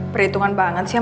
perhitungan banget sih